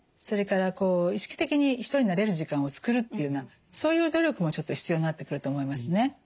それから意識的に一人になれる時間を作るというようなそういう努力もちょっと必要になってくると思いますね。